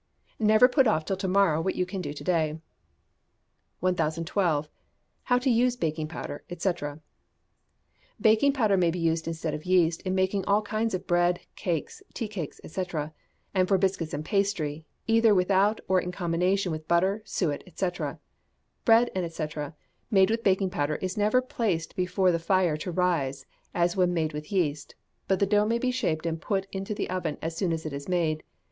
[NEVER PUT OFF TILL TO MORROW WHAT YOU CAN DO TO DAY.] 1012. How to Use Baking Powder, &c. Baking powder may be used instead of yeast in making all kinds of bread, cake, teacakes, &c., and for biscuits and pastry, either without or in combination with butter, suet, &c. Bread, &c., made with baking powder is never placed before the fire to rise as when made with yeast, but the dough may be shaped and put into the oven as soon as it is made.